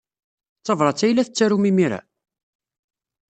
D tabṛat ay la tettarum imir-a?